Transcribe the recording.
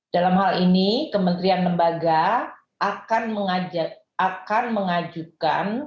dalam hal ini kementerian lembaga akan mengajukan